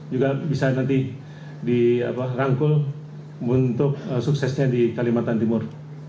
juga bisa nanti dirangkul untuk suksesnya di kalimantan timur